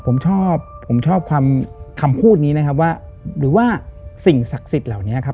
ผมชอบผมชอบความคำพูดนี้นะครับว่าหรือว่าสิ่งศักดิ์สิทธิ์เหล่านี้ครับ